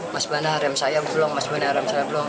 mas bana rem saya belum mas bana rem saya belum